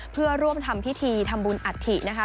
เพื่อร่วมทำพิธีทำบุญอัฐินะคะ